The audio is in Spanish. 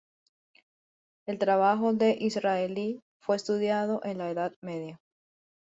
El trabajo de Israeli fue muy estudiado en la Edad Media.